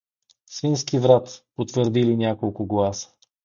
— Свински врат — потвърдили няколко гласа.